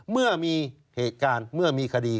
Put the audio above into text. เมื่อมีเหตุการณ์เมื่อมีคดี